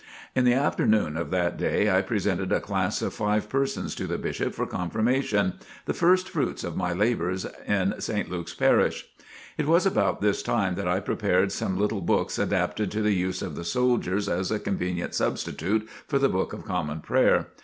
In the afternoon of that day I presented a class of five persons to the Bishop for confirmation, the first fruits of my labors in St. Luke's parish. It was about this time that I prepared some little books adapted to the use of the soldiers as a convenient substitute for the Book of Common Prayer.